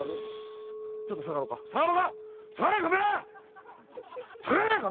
ちょっと下がろうか。